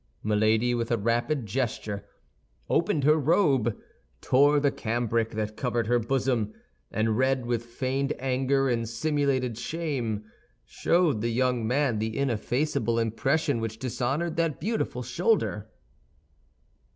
Milady, with a rapid gesture, opened her robe, tore the cambric that covered her bosom, and red with feigned anger and simulated shame, showed the young man the ineffaceable impression which dishonored that beautiful shoulder.